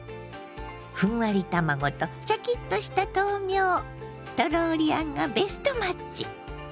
ふんわり卵とシャキッとした豆苗トローリあんがベストマッチ。